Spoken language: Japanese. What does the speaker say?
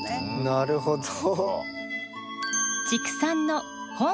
なるほど。